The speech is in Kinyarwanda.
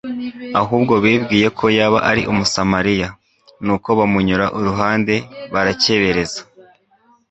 ahubwo bibwiye ko yaba ari umusamaliya, nuko bamunyura iruhande barakebereza.